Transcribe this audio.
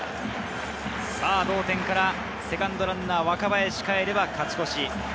同点からセカンドランナー・若林がかえれば勝ち越し。